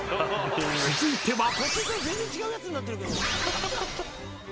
［続いては］